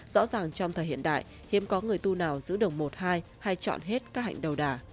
rõ ràng trong thời hiện đại hiếm có người tu nào giữ đồng một hai hay chọn hết các hạnh đầu đà